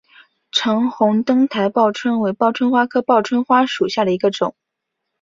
橙红灯台报春为报春花科报春花属下的一个种。